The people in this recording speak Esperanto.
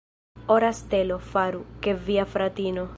Ora stelo, faru, ke via fratino.